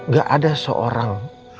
gak ada seorang